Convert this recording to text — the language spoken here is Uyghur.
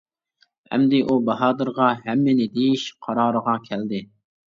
ئەمدى ئۇ باھادىرغا ھەممىنى دېيىش قارارىغا كەلدى.